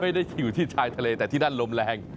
ไม่ได้อยู่ที่ชายทะเลแต่ที่นั่นลมแรง